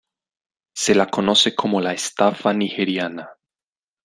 Se la conoce como la estafa Estafa nigeriana.